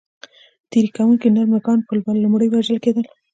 تېري کوونکي نر مږان به لومړی وژل کېدل.